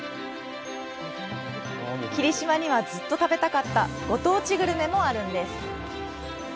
霧島には、ずっと食べたかったご当地グルメもあるんです。